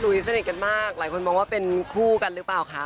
นี้สนิทกันมากหลายคนมองว่าเป็นคู่กันหรือเปล่าคะ